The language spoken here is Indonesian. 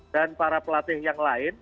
dan para pelatih yang lain